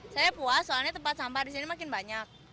saya puas soalnya tempat sampah di sini makin banyak